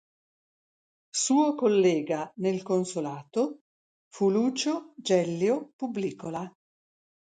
Suo collega nel consolato fu Lucio Gellio Publicola.